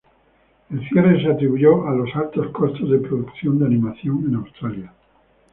El cierre se atribuyó a los altos costos de producción de animación en Australia.